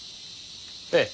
ええ。